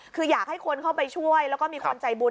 คืออยากให้คนเข้าไปช่วยแล้วก็มีคนใจบุญ